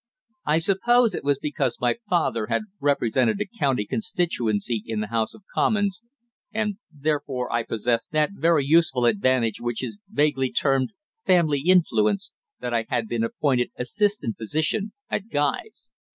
I suppose it was because my father had represented a county constituency in the House of Commons, and therefore I possessed that very useful advantage which is vaguely termed family influence, that I had been appointed assistant physician at Guy's.